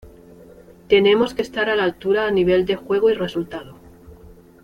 Tenemos que estar a la altura a nivel de juego y resultado.